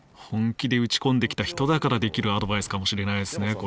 本気で打ち込んできた人だからできるアドバイスかもしれないですね